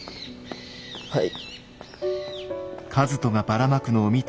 はい。